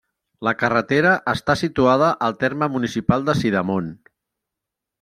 La carretera està situada al terme municipal de Sidamon.